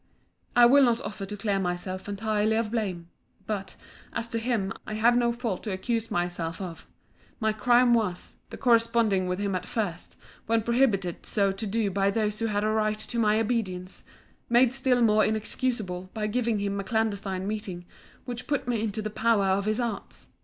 I will not offer to clear myself entirely of blame: but, as to him, I have no fault to accuse myself of: my crime was, the corresponding with him at first, when prohibited so to do by those who had a right to my obedience; made still more inexcusable, by giving him a clandestine meeting, which put me into the power of his arts.